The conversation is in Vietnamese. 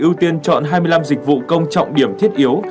ưu tiên chọn hai mươi năm dịch vụ công trọng điểm thiết yếu